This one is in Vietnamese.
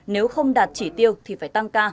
nếu không đạt chỉ tiêu thì phải tăng ca